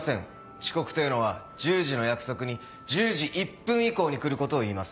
遅刻というのは１０時の約束に１０時１分以降に来ることをいいます。